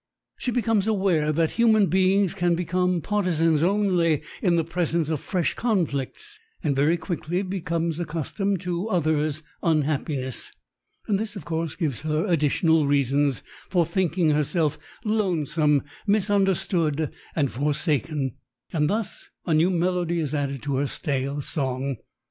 She becomes aware that human beings can become partisans only in the presence of fresh conflicts and very quickly become accustomed to others' unhappiness. And this, of course, gives her additional reason for thinking herself lonesome, misunderstood, and forsaken, and thus a new melody is added to her stale song.